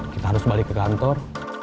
kita harus balik ke kantor